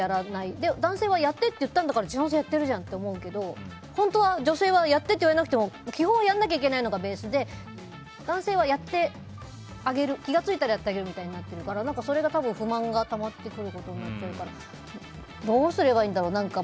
で、男性はやってって言ったのやってるじゃんって思うけど本当は女性はやってって言われなくても基本やらなきゃいけないのがベースで、男性は気が付いたらやってあげるみたいになってるからそれが不満がたまってくることになってるからどうすればいいんだろう。